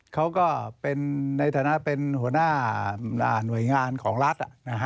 เขาก็เป็นในฐานะเป็นหัวหน้าหน่วยงานของรัฐ